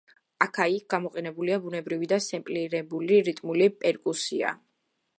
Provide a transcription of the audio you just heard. აქა-იქ გამოყენებულია ბუნებრივი და სემპლირებული რიტმული პერკუსია.